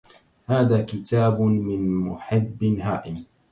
هذا كتاب من محب هائم